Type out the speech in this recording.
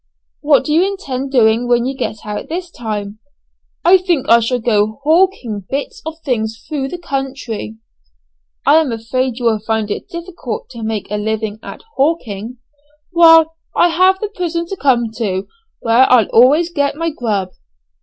"What do you intend doing when you get out this time?" "I think I shall go hawking bits of things through the country." "I am afraid you will find it difficult to make a living at hawking?" "Well I have the prison to come to, where I'll always get my grub."